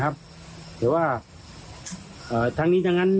และก็คือว่าถึงแม้วันนี้จะพบรอยเท้าเสียแป้งจริงไหม